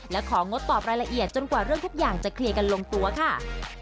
และของงดตอบรายละเอียดจนกว่าเรื่องทุกอย่างจะเคลียร์กันลงตัวค่ะ